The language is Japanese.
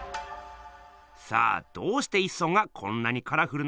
さあどうして一村がこんなにカラフルな絵をえがけたのか。